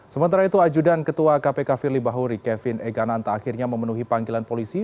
sementara itu ajudan ketua kpk firly bahuri kevin egananta akhirnya memenuhi panggilan polisi